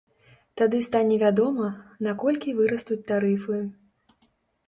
Тады стане вядома, на колькі вырастуць тарыфы.